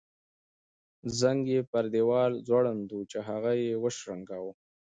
زنګ یې پر دیوال ځوړند وو چې هغه یې وشرنګاوه.